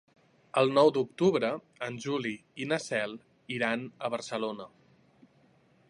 El nou d'octubre en Juli i na Cel iran a Barcelona.